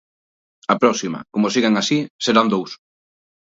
A próxima, como sigan así, serán dous.